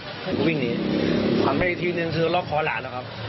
ผมก็วิ่งหนีหันไปอีกทีนึงคือล็อกคอหลานแล้วครับ